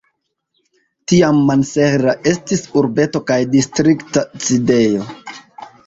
Tiam Mansehra estis urbeto kaj distrikta sidejo.